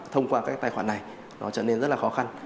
thông qua các tài khoản này nó trở nên rất là khó khăn